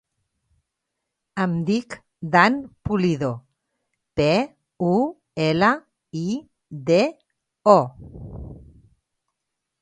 Em dic Dan Pulido: pe, u, ela, i, de, o.